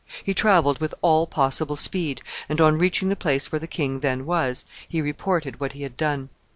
He traveled with all possible speed, and, on reaching the place where the king then was, he reported what he had done.